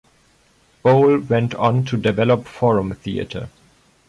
Boal went on to develop forum theater.